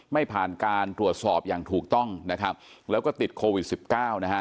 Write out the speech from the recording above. ไม่ผ่านการตรวจสอบอย่างถูกต้องนะครับแล้วก็ติดโควิดสิบเก้านะฮะ